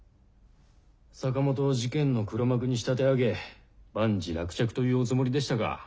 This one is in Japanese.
坂本を事件の黒幕に仕立て上げ万事落着というおつもりでしたか。